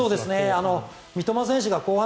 三笘選手は、後半。